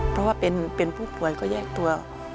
เพราะว่าเป็นผู้ป่วยก็แยกตัว